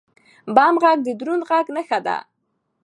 بم غږ د دروند خج نښه ده.